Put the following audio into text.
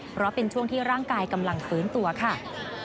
เพราะเป็นช่วงที่ร่างกายกำลังฟื้นตัวค่ะ